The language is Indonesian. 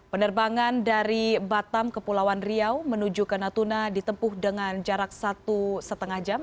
penerbangan dari batam kepulauan riau menuju ke natuna ditempuh dengan jarak satu lima jam